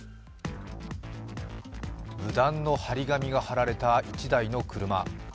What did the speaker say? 無断の貼り紙が貼られた１台の車。